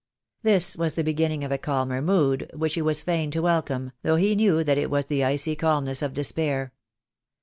This was the beginning of a calmer mood, which he was fain to welcome, though he knew that it was the icy calmness of despair.